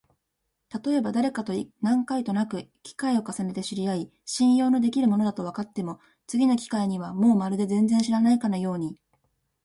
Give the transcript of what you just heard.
たとえばだれかと何回となく機会を重ねて知り合い、信用のできる者だとわかっても、次の機会にはもうまるで全然知らないかのように、